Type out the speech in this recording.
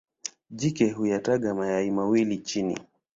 Jike huyataga mayai mawili chini.